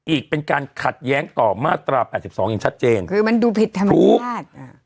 อีกเป็นการขัดแย้งต่อมาตราแปดสิบสองอย่างชัดเจนคือมันดูผิดธรรมชาติ